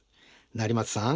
成松さん